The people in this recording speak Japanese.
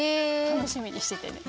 楽しみにしててね。